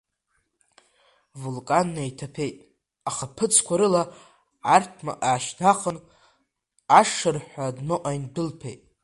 Вулкан неиҭаԥеит, ахаԥыцқәа рыла арҭмаҟ аашьҭнахын, ашырҳәа адәныҟа индәылԥеит.